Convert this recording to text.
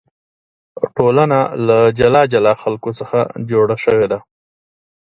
ټولنه له جلا جلا خلکو څخه جوړه شوې ده.